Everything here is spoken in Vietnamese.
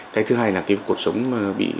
cái thứ hai là cuộc sống bị